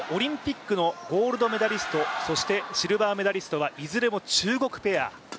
そのときのオリンピックのゴールドメダリスト、そして、シルバーメダリストはいずれも中国ペア。